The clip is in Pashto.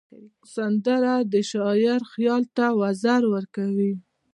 سندره د شاعر خیال ته وزر ورکوي